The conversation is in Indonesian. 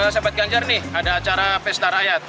sahabat ganjar nih ada acara pesta rakyat